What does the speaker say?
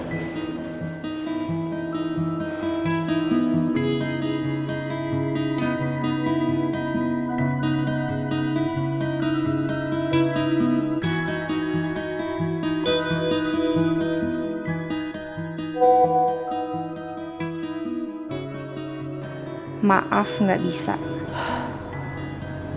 tidak ada yang bisa diharapkan